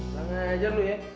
bangun aja lo ya